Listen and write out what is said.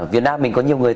việt nam mình có nhiều người